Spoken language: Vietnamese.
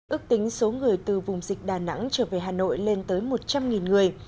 ước tính số người từ vùng dịch đà nẵng trở về hà nội lên tới một trăm linh người